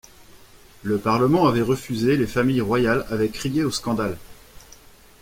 Le parlement avait refusé, les familles royales avaient crié au scandale.